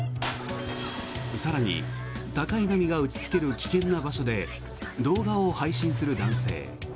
更に高い波が打ちつける危険な場所で動画を配信する男性。